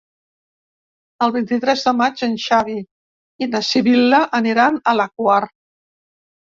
El vint-i-tres de maig en Xavi i na Sibil·la aniran a la Quar.